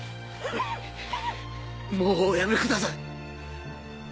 もうおやめください